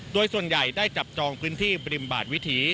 โดยส่วนใหญ่ได้จับจองพื้นที่บริมบาดวิถี